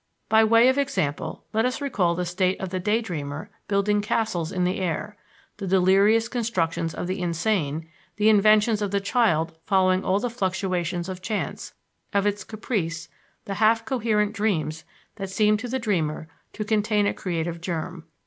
By way of example let us recall the state of the day dreamer building castles in the air; the delirious constructions of the insane, the inventions of the child following all the fluctuations of chance, of its caprice; the half coherent dreams that seem to the dreamer to contain a creative germ.